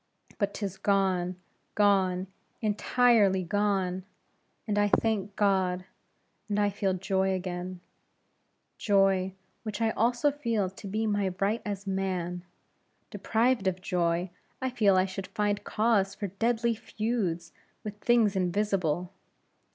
But 'tis gone gone entirely gone; and I thank God, and I feel joy again; joy, which I also feel to be my right as man; deprived of joy, I feel I should find cause for deadly feuds with things invisible.